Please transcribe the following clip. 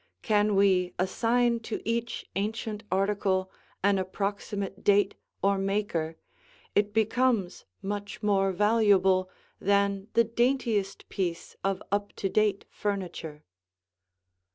Can we assign to each ancient article an approximate date or maker, it becomes much more valuable than the daintiest piece of up to date furniture.